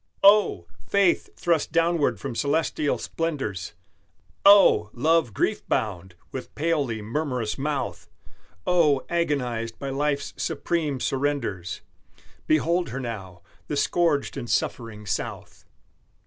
Oh! faith, thrust downward from celestial splendors, Oh! love grief bound, with palely murmurous mouth! Oh! agonized by life's supreme surrenders Behold her now the scourged and suffering South!